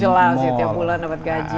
setiap bulan dapat gaji